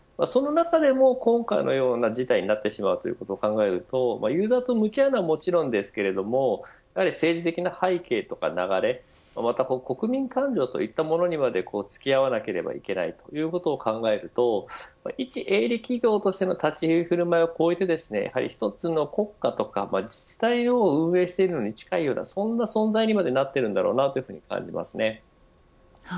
その中でも今回のような事態になってしまうということを考えるとユーザーと向き合うのはもちろんですが政治的な背景とか流れまた国民感情といったものもつき合わなければいけないということを考えるといち営利企業としての立ち振る舞いを越えてやはり、一つの国家とか自治体を運営しているのに近いような存在にもなっていると感じます。